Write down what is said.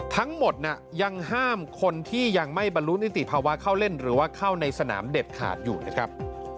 ทั้งหมดยังห้ามคนที่ยังไม่บรรลุนิติภาวะเข้าเล่นหรือว่าเข้าในสนามเด็ดขาดอยู่นะครับ